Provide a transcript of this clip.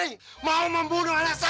kami ingin membunuh anak saya